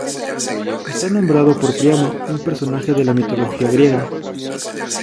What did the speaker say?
Está nombrado por Príamo, un personaje de la mitología griega.